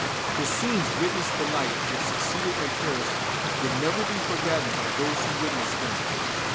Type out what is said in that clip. The scenes witnessed the night which succeeded in Paris will never be forgotten by those who witnessed them.